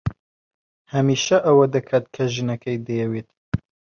هەمیشە ئەوە دەکات کە ژنەکەی دەیەوێت.